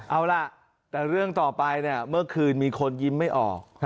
เอาล่ะแต่เรื่องต่อไปเนี่ยเมื่อคืนมีคนยิ้มไม่ออก